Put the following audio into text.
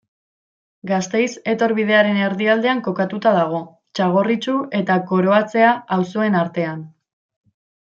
Gasteiz etorbidearen erdialdean kokatuta dago, Txagorritxu eta Koroatzea auzoen artean.